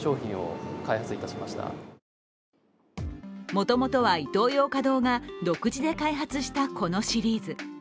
もともとはイトーヨーカ堂が独自で開発したこのシリーズ。